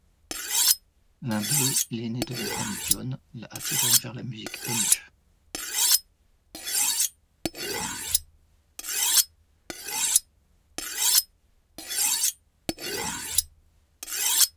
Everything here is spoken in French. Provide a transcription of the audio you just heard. L'un d'eux, l'aîné de la famille John l'a attiré envers la musique Punk.